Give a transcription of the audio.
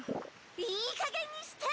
・いいかげんにして！